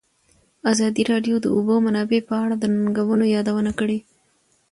ازادي راډیو د د اوبو منابع په اړه د ننګونو یادونه کړې.